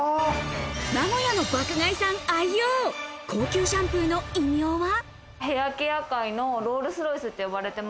名古屋の爆買いさん愛用、高級シャンプーの異名は？